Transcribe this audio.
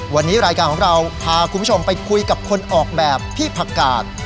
วันนี้รายการของเราพาคุณผู้ชมไปคุยกับคนออกแบบพี่ผักกาด